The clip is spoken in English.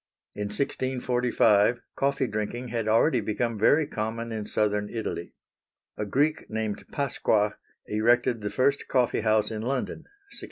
In 1645 coffee drinking had already become very common in southern Italy. A Greek named Pasqua erected the first coffee house in London (1652).